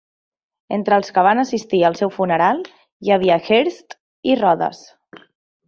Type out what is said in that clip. Entre els que van assistir al seu funeral hi havia Hirst i Rodes.